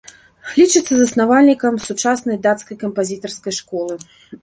Лічыцца заснавальнікам сучаснай дацкай кампазітарскай школы.